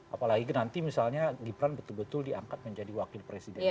apalagi nanti misalnya gibran betul betul diangkat menjadi wakil presiden